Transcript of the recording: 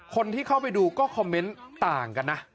คนที่เข้าไปดูก็คอมเมนต์ต่างกันนะ